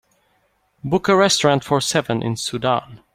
book a restaurant for seven in Sudan